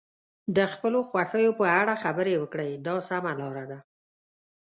د خپلو خوښیو په اړه خبرې وکړئ دا سمه لاره ده.